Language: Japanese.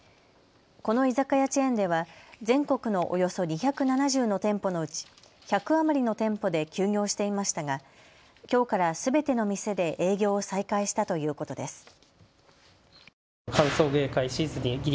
この居酒屋チェーンでは全国のおよそ２７０の店舗のうち１００余りの店舗で休業していましたが、きょうからすべての店で営業を再開したということです。